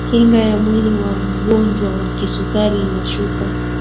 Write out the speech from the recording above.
kinga ya mwili wa mgonjwa wa kisukari inashuka